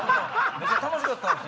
めちゃ楽しかったっすよ。